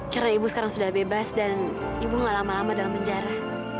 karena ibu sekarang sudah bebas dan ibu gak lama lama dalam penjara